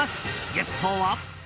ゲストは。